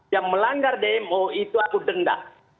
yang melanggar dmo itu aku denda